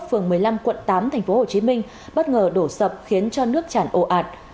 phường một mươi năm quận tám tp hcm bất ngờ đổ sập khiến cho nước chản ồ ạt